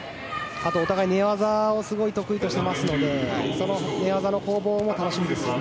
あとお互いに寝技を得意にしているのでその寝技の攻防も楽しみですよね。